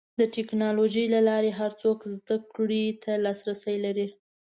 د ټکنالوجۍ له لارې هر څوک زدهکړې ته لاسرسی لري.